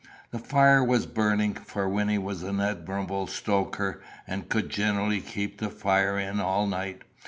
The fire was burning, for Wynnie was an admirable stoker, and could generally keep the fire in all night.